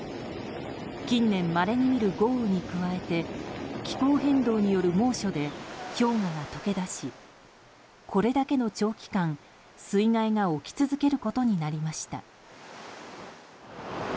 近年まれに見る豪雨に加えて気候変動による猛暑で氷河が解け出しこれだけの長期間水害が起き続けることになりました。